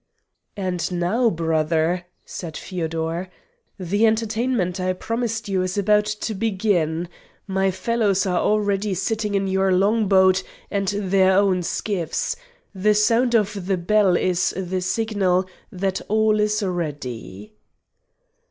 "And now, brother," said Feodor, "the entertainment I promised you is about to begin. My fellows are already sitting in your long boat and their own skiffs. The sound of the bell is the signal that all is ready."